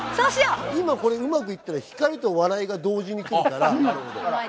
今これうまくいったら光と笑いが同時に来るから。